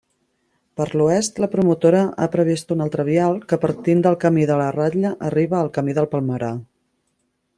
Per l'oest, la promotora ha previst un altre vial que, partint del camí de la Ratlla, arriba al camí del Palmerar.